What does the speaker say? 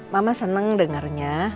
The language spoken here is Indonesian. mama seneng dengarnya